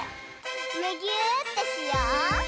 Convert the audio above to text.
むぎゅーってしよう！